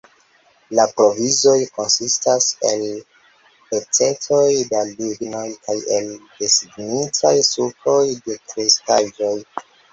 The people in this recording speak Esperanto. La provizoj konsistas el pecetoj da ligno kaj el densigitaj sukoj de kreskaĵoj.